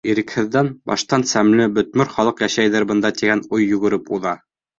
Ирекһеҙҙән, баштан сәмле, бөтмөр халыҡ йәшәйҙер бында тигән уй йүгереп уҙа.